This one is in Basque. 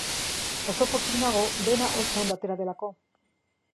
Oso pozik nago dena oso ondo atera delako.